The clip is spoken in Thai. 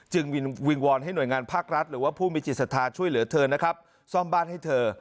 วิงวอนให้หน่วยงานภาครัฐหรือว่าผู้มีจิตศรัทธาช่วยเหลือเธอนะครับซ่อมบ้านให้เธอ